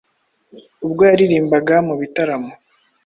ubwo yaririmbaga mu bitaramo,